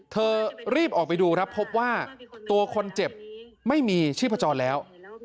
เธอรีบออกไปดูครับพบว่าตัวคนเจ็บไม่มีชีพจรแล้ว